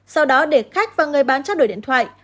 sau đó để khách và người bán trao đổi điện thoại